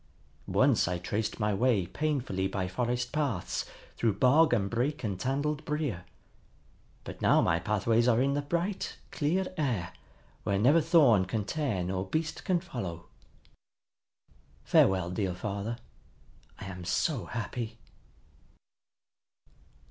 Once I traced my way painfully by forest paths through bog and brake and tangled brier. But now my pathways are in the bright, clear air, where never thorn can tear nor beast can follow. Farewell, dear father! I am so happy!"